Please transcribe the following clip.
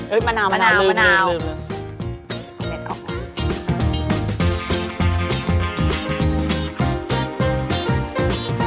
อุ้ยมะนาวมะนาวมะนาวลืมลืมลืม